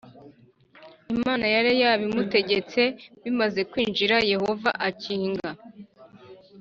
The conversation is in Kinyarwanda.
Imana yari yabimutegetse Bimaze kwinjira Yehova akinga